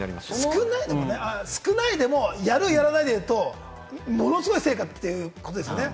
少ないでも、やる、やらないというと、ものすごい成果ということですね。